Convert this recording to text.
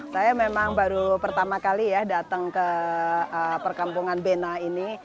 saya memang baru pertama kali ya datang ke perkampungan bena ini